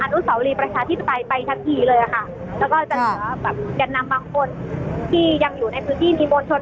นุสาวรีประชาธิปไตยไปทันทีเลยค่ะแล้วก็จะเหลือแบบแก่นนำบางคนที่ยังอยู่ในพื้นที่มีมวลชน